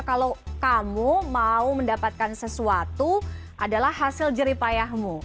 kalau kamu mau mendapatkan sesuatu adalah hasil jeripayahmu